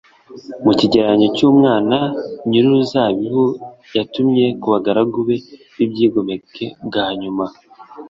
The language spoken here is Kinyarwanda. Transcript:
mu kigereranyo cy’umwana nyir’uruzabibu yatumye ku bagaragu be b’ibyigomeke bwa nyuma